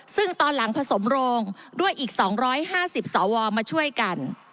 ซึ่งตอนหลังผสมโรงด้วยอีก๒๕๐สวมาช่วยกัน